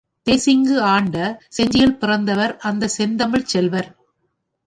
தேசிங்கு ஆண்ட செஞ்சியில் பிறந்தவர் இந்தச் செந்தமிழ்ச் செல்வர்.